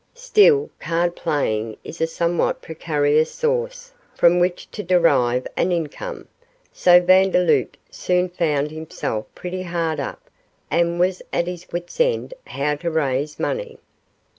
Still, card playing is a somewhat precarious source from which to derive an income, so Vandeloup soon found himself pretty hard up, and was at his wit's end how to raise money.